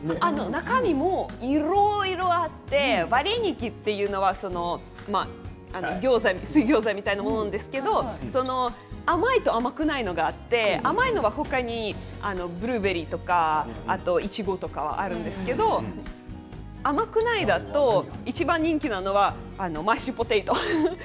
中身もいろいろあってワレニキというのは水ギョーザみたいなものなんですけど甘いのと甘くないのがあって甘いのは他にブルーベリーとかいちごとかあるんですけど甘くないのだと一番人気なのはマッシュポテト。